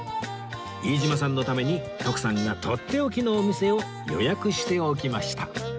飯島さんのために徳さんがとっておきのお店を予約しておきました